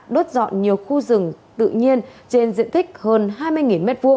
đốt dọn nhiều khu rừng tự nhiên trên diện tích hơn hai mươi m hai